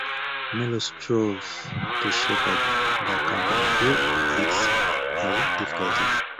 Merlo strove to shepherd the company through its early difficulties.